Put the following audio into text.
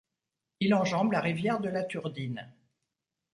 Il enjambe la rivière de la Turdine.